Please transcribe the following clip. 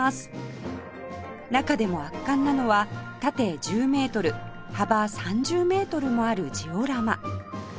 中でも圧巻なのは縦１０メートル幅３０メートルもあるジオラマ